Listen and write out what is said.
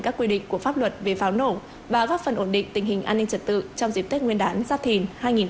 các quy định của pháp luật về pháo nổ và góp phần ổn định tình hình an ninh trật tự trong dịp tết nguyên đán giáp thìn hai nghìn hai mươi bốn